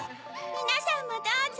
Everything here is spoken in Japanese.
みなさんもどうぞ。